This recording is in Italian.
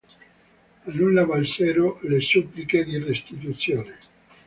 A nulla valsero le suppliche di restituzione.